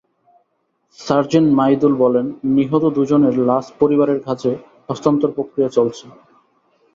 Sergeant Maidul বলেন, নিহত দুজনের লাশ পরিবারের কাছে হস্তান্তরের প্রক্রিয়া চলছে।